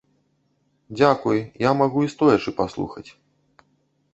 Дзякуй, я магу і стоячы паслухаць.